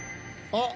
あっ！